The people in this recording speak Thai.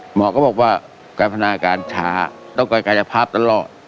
หมอก็บอกว่าการพนาการช้าต้องการกายภาพตลอด